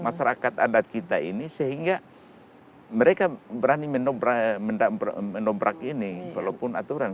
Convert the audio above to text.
masyarakat adat kita ini sehingga mereka berani menobrak menobrak ini walaupun aturan